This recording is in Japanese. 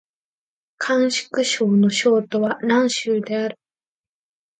甘粛省の省都は蘭州である